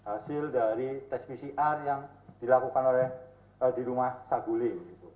hasil dari tes pcr yang dilakukan di rumah saguli